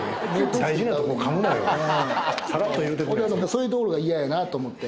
そういうところが嫌やなと思って。